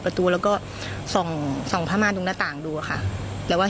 ประตูแล้วก็ส่องส่องผ้ามาตรงหน้าต่างดูอะค่ะแล้วว่า